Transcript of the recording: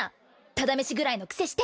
タダ飯食らいのくせして！